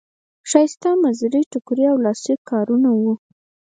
ښایسته مزري ټوکري او لاسي کارونه وو.